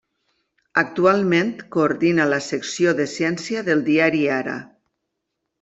Actualment coordina la secció de ciència del diari Ara.